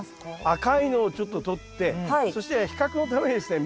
赤いのをちょっととってそして比較のためにですね